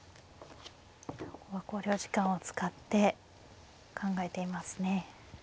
ここは考慮時間を使って考えていますね。